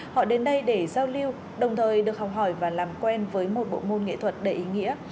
họ đến đây để giao lưu đồng thời được học hỏi và làm quen với một bộ môn nghệ thuật đầy ý nghĩa